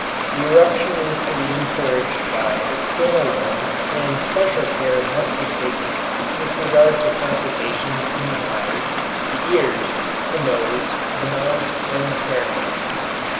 The eruption is to be encouraged by external warmth and special care must be taken with regard to complications in the eyes, the ears, the nose, the mouth, and the pharynx.